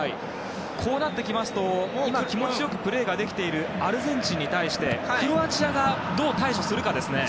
こうなってきますと気持ちよくプレーができているアルゼンチンに対してクロアチアがどう対処するかですね。